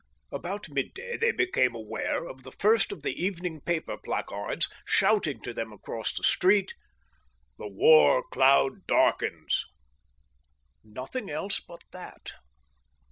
About midday they became aware of the first of the evening paper placards shouting to them across the street: THE WAR CLOUD DARKENS Nothing else but that.